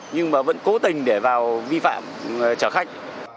nhưng mà vẫn cố tình để vào vi phạm chở khách